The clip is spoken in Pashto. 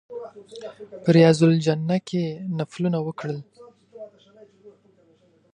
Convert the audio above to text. په ریاض الجنه کې نفلونه وکړل.